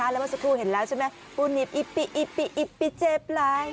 แล้วสักครู่เห็นแล้วใช่ไหมปูนิปอิปปิอิปปิอิปปิเจ็บไหล